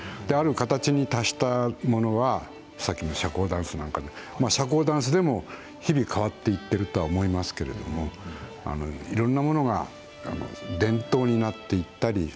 ある形に達したものはさっきの社交ダンスでも日々変わっていっているとは思いますけどいろんなものが伝統になっていったり